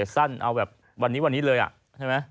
สั้นเอาแบบวันนี้วันนี้เลยใช่ไหม